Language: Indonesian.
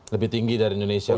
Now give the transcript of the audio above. lebih tinggi dari indonesia